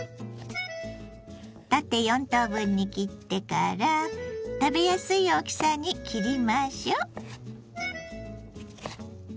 縦４等分に切ってから食べやすい大きさに切りましょう。